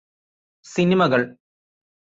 സിനിമകള്